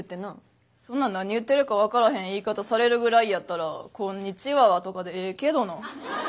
そんな何言うてるか分からへん言い方されるぐらいやったら「こんにチワワ」とかでええけどな。